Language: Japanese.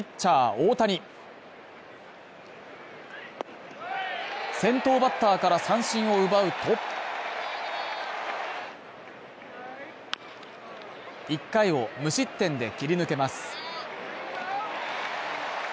大谷先頭バッターから三振を奪うと、１回を無失点で切り抜けます。